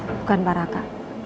bukan pak raka